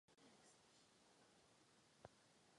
Kromě bicích hrál rovněž na další nástroje.